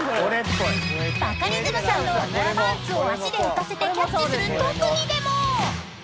［バカリズムさんのパンツを足で浮かせてキャッチする特技でも］